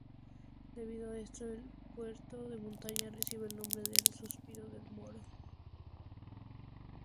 Debido a esto el puerto de montaña recibe el nombre del "Suspiro del Moro".